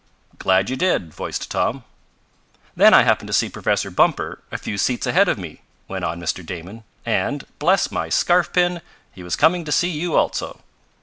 "Glad you did," voiced Tom. "Then I happened to see Professor Bumper a few seats ahead of me," went on Mr. Damon, "and, bless my scarfpin! he was coming to see you also."